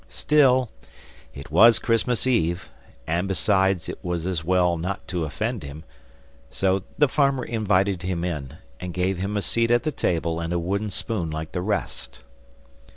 Still, it was Christmas Eve, and besides it was as well not to offend him, so the farmer invited him in, and gave him a seat at the table and a wooden spoon like the rest.